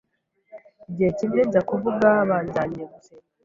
Igihe kimwe njya kuvuga banjyanye gusenga